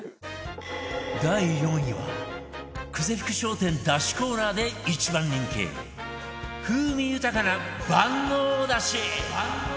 第４位は久世福商店出汁コーナーで一番人気風味豊かな万能だし